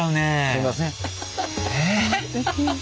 すいません。